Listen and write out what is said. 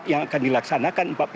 yang akan dilaksanakan